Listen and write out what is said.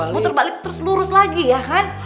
muter balik terus lurus lagi ya kan